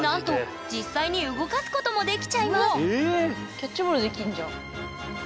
キャッチボールできんじゃん。